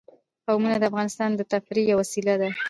قومونه د افغانانو د تفریح یوه وسیله ده.